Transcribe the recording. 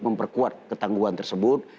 memperkuat ketangguhan tersebut